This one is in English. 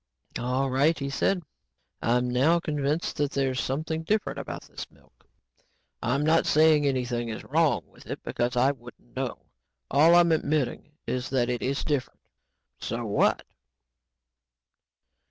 "All right," he said, "I'm now convinced that there's something different about this milk. I'm not saying anything is wrong with it because I wouldn't know. All I'm admitting is that it is different. So what?"